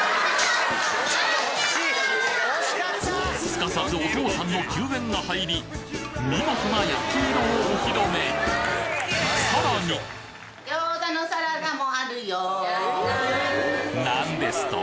・すかさずお父さんの救援が入り見事な焼き色をお披露目何ですと？